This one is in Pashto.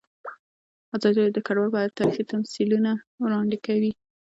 ازادي راډیو د کډوال په اړه تاریخي تمثیلونه وړاندې کړي.